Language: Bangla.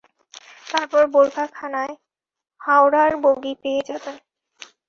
তারপর বোরখাখানায় হাওড়ার বগি পেয়ে যাবেন।